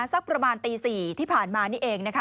สักประมาณตี๔ที่ผ่านมานี่เองนะคะ